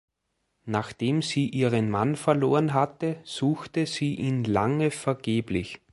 Nachdem sie ihren Mann verloren hatte, suchte sie ihn lange vergeblich.